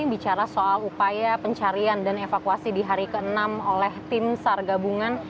bicara soal upaya pencarian dan evakuasi di hari ke enam oleh tim sar gabungan